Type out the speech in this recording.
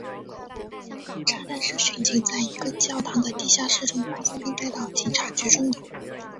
炸弹是巡警在一个教堂的地下室中发现并带到警察局中的。